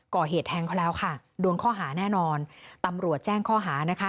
ก่อเหตุแทงเขาแล้วค่ะโดนข้อหาแน่นอนตำรวจแจ้งข้อหานะคะ